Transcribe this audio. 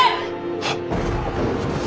はっ。